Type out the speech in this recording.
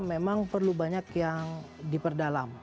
memang perlu banyak yang diperdalam